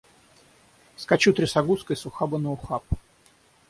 Скачу трясогузкой с ухаба на ухаб.